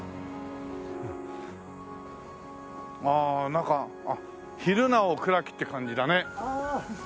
ああなんか昼なお暗きって感じだね。